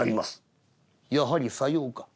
「やはりさようか。